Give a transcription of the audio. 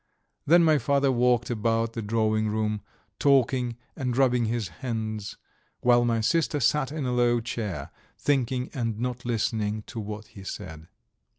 Then my father walked about the drawing room, talking and rubbing his hands, while my sister sat in a low chair, thinking and not listening to what he said.